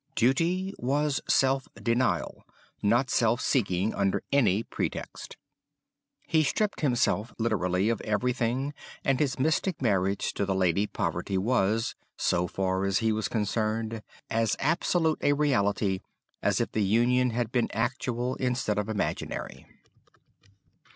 Duty was self denial, not self seeking under any pretext. He stripped himself literally of everything and his mystic marriage to the Lady Poverty was, so far as he was concerned, as absolute a reality, as if the union had been actual instead of imaginary.